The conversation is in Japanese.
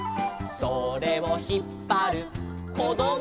「それをひっぱるこども」